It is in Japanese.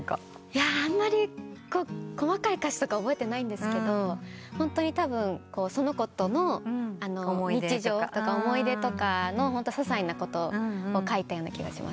あんまり細かい歌詞とか覚えてないんですけどホントにたぶんその子との日常とか思い出とかのささいなことを書いたような気がします。